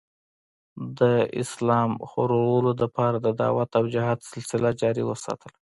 د اسلام خورلو دپاره د دعوت او جهاد سلسله جاري اوساتله